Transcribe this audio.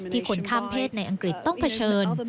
คนข้ามเพศในอังกฤษต้องเผชิญ